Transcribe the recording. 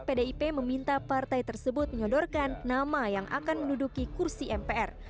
pdip meminta partai tersebut menyodorkan nama yang akan menduduki kursi mpr